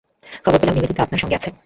খবর পেলাম, নিবেদিতা আপনার সঙ্গে আছে।